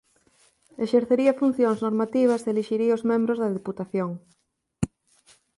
Exercería funcións normativas e elixiría aos membros da Deputación.